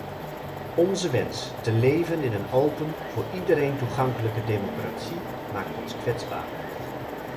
Onze wens te leven in een open, voor iedereen toegankelijke democratie maakt ons kwetsbaar.